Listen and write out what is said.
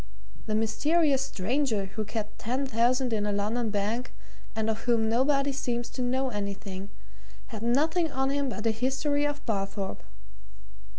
The mysterious stranger who kept ten thousand in a London bank, and of whom nobody seems to know anything, had nothing on him but a history of Barthorpe.